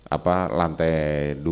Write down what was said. apa lantai dua